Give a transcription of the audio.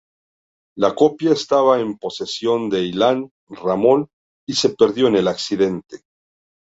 La copia estaba en posesión de Ilan Ramon y se perdió en el accidente.